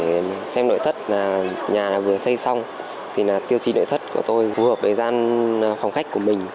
đây là để xem nội thất nhà vừa xây xong thì tiêu chí nội thất của tôi phù hợp với gian phòng khách của mình